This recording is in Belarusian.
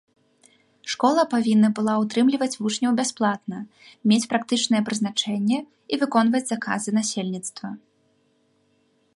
Школа павінна была ўтрымліваць вучняў бясплатна, мець практычнае прызначэнне і выконваць заказы насельніцтва.